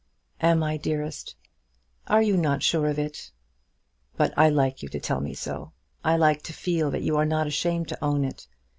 "Am I dearest?" "Are you not sure of it?" "But I like you to tell me so. I like to feel that you are not ashamed to own it.